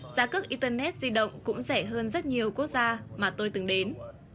giá cước internet di động cũng rẻ hơn rất nhiều quốc gia mà tôi từng đến